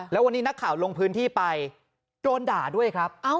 แล้ววันนี้นักข่าวลงพื้นที่ไปโดนด่าด้วยครับ